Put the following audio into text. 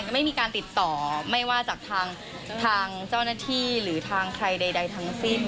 ไม่มีการติดต่อไม่ว่าจากทางเจ้าหน้าที่หรือทางใครใดทั้งสิ้น